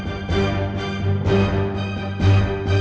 kan juga tau politik itu